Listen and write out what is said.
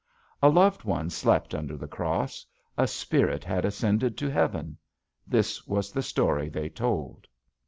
A loved one slept under the cross ; a spirit had ascended to heaven. This was the story they told.